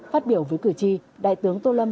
phát biểu với cử tri đại tướng tô lâm